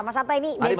mas anta ini dari tadi